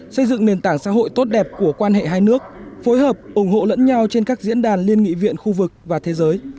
xây dựng nền tảng xã hội tốt đẹp của quan hệ hai nước phối hợp ủng hộ lẫn nhau trên các diễn đàn liên nghị viện khu vực và thế giới